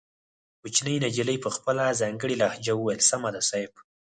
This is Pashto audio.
کوچنۍ نجلۍ په خپله ځانګړې لهجه وويل سمه ده صيب.